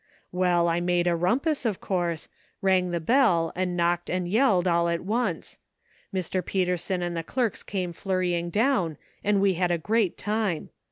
Well, I made a rumpus, of course ; rang the bell, and knocked and yelled all at once. Mr. Peterson and the clerks came flurrying down, and we had a great time.